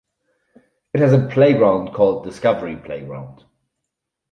It has a playground called Discovery Playground.